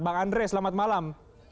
bang andre selamat malam